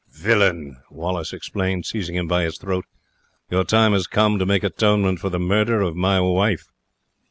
"Villain!" Wallace exclaimed, seizing him by his throat; "your time has come to make atonement for the murder of my wife."